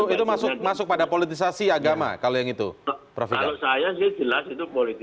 itu masuk pada politisasi agama kalau yang itu prof fidat